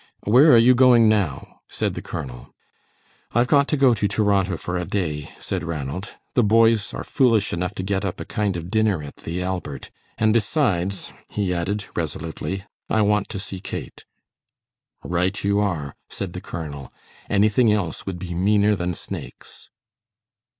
"Where are you going now?" said the colonel. "I've got to go to Toronto for a day," said Ranald; "the boys are foolish enough to get up a kind of dinner at the Albert, and besides," he added, resolutely, "I want to see Kate." "Right you are," said the colonel; "anything else would be meaner than snakes."